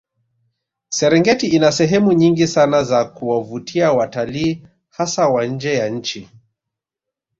Serengeti ina sehemu nyingi sana za kuwavutia watalii hasa wa nje ya nchi